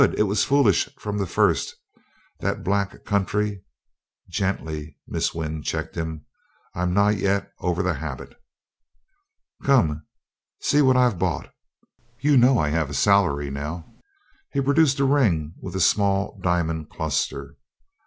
It was foolish from the first that black country " "Gently," Miss Wynn checked him. "I'm not yet over the habit." "Come. See what I've bought. You know I have a salary now." He produced a ring with a small diamond cluster.